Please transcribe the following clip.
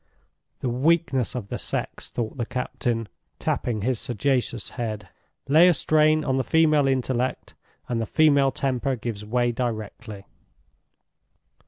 "The weakness of the sex!" thought the captain, tapping his sagacious head. "Lay a strain on the female intellect, and the female temper gives way directly."